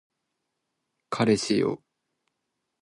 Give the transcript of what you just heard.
彼氏よ